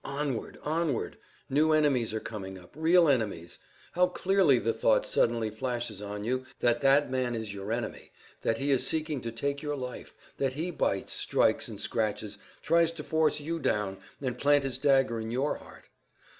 Onward! onward! new enemies are coming up, real enemies. How clearly the thought suddenly flashes on you that that man is your enemy, that he is seeking to take your life, that he bites, strikes, and scratches, tries to force you down and plant his dagger in your heart.